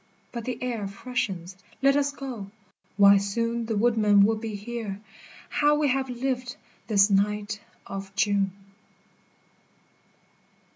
— But the air freshens, let us go, why soon The woodmen will be here ; how we have lived this night of June